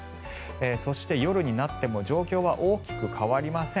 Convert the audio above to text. そして、夜になっても状況は大きく変わりません。